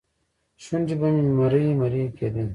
شونډې به مې مرۍ مرۍ کېدې.